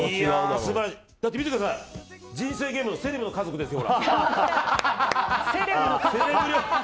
見てください人生ゲームのセレブの家族ですよ。